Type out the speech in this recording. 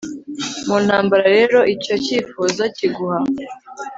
Mu ntambara rero icyo cyifuzo kiguha